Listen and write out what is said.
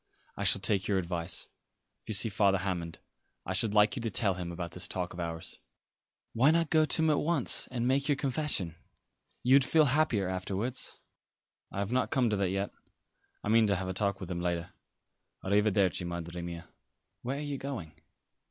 I shall take your advice. If you see Father Hammond I should like you to tell him about this talk of ours." "Why not go to him at once and make your confession? You would feel happier afterwards." "I have not come to that yet. I mean to have a talk with him later. A riverdervi, Madre mia." "Where are you going?"